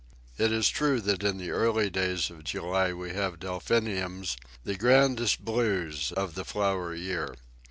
It is true that in the early days of July we have Delphiniums, the grandest blues of the flower year.